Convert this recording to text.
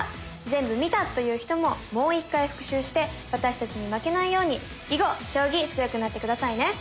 全部見たという人ももう一回復習して私たちに負けないように囲碁将棋強くなって下さいね！